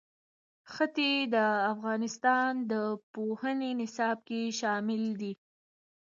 ښتې د افغانستان د پوهنې نصاب کې شامل دي.